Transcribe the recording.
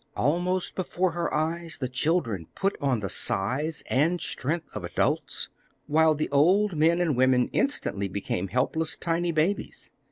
Almost before her eyes the children put on the size and strength of adults, while the old men and women instantly became helpless, tiny babies.